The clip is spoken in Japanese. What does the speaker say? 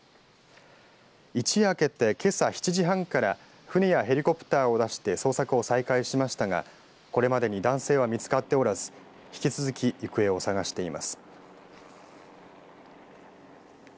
一夜明けて、けさ７時半から船やヘリコプターを出して捜索を再開しましたがこれまでに男性は見つかっておらず引き続き行方を捜しています。